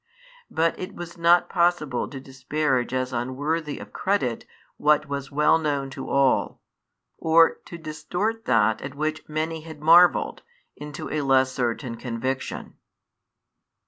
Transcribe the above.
But it was not possible to disparage as unworthy of credit what was well known to all, or to distort that at which many had marvelled into a less certain conviction.